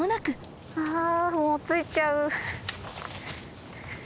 あもう着いちゃう。